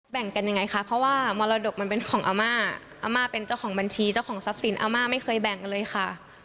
แบ่งกันยังไงคะเพราะว่ามรดกมันเป็นของอาม่าอาม่าเป็นเจ้าของบัญชีเจ้าของทรัพย์สินอาม่าไม่เคยแบ่งกันเลยค่ะ